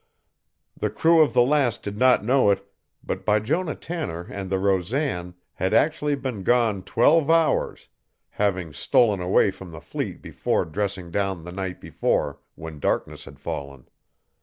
The crew of the Lass did not know it, but Bijonah Tanner and the Rosan had actually been gone twelve hours, having stolen away from the fleet before dressing down the night before when darkness had fallen.